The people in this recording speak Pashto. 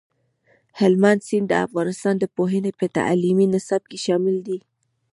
هلمند سیند د افغانستان د پوهنې په تعلیمي نصاب کې شامل دی.